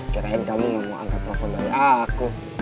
kirain kamu gak mau angkat telepon dari aku